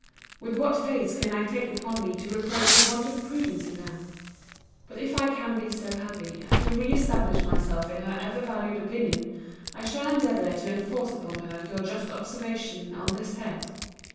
With what face can I take upon me to reproach a want of prudence in her? But if I can be so happy as to re establish myself in her ever valued opinion, I shall endeavour to enforce upon her your just observation on this head.